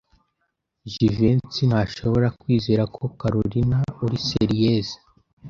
Jivency ntashobora kwizera ko Kalorina ari serieux.